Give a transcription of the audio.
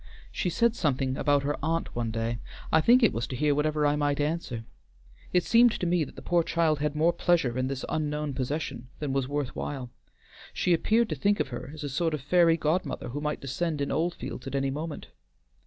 She said something about her aunt one day; I think it was to hear whatever I might answer. It seemed to me that the poor child had more pleasure in this unknown possession than was worth while; she appeared to think of her as a sort of fairy godmother who might descend in Oldfields at any moment."